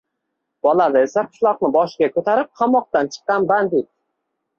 Bolalar esa, qishloqni boshiga ko`tarib qamoqdan chiqqan bandit